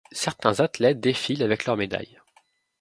Certains athlètes défilent avec leurs médailles.